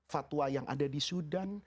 fatwa yang ada di sudan